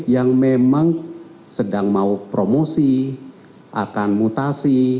yang memang sedang mau promosi akan mutasi